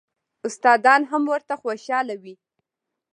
استادان هم ورته خوشاله وي.